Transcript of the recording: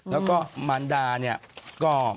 แล้วก็มันดาก็